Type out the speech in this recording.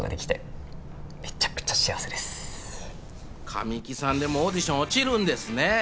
神木さんでもオーディション落ちるんですね。